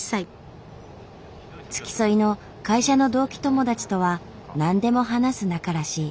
付き添いの会社の同期友達とは何でも話す仲らしい。